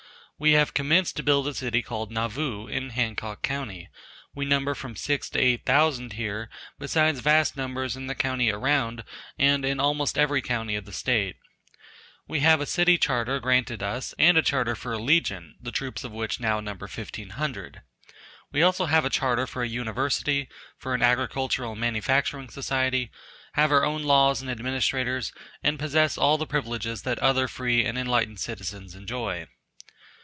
We have commenced to build a city called "Nauvoo" in Hancock co., we number from six to eight thousand here besides vast numbers in the county around and in almost every county of the state. We have a city charter granted us and a charter for a legion the troops of which now number 1500. We have also a charter for a university, for an agricultural and manufacturing society, have our own laws and administrators, and possess all the privileges that other free and enlightened citizens enjoy.